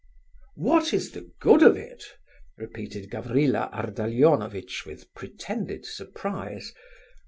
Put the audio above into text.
"What is the good of it?" repeated Gavrila Ardalionovitch, with pretended surprise.